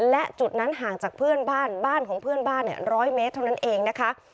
และจุดนั้นห่างจากเพื่อนบ้านบ้านของเพื่อนบ้านร้อยเมตรเท่านั้นเองนะคะ